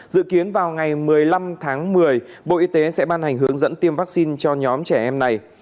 dự kiến vào ngày một mươi năm tháng một mươi bộ y tế sẽ ban hành hướng dẫn tiêm vaccine cho nhóm trẻ em này